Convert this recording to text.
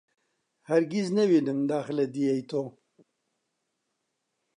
هەرگیز نەوینم داخ لە دییەی تۆ